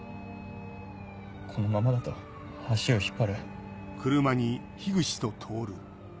このままだと足を引っ張る。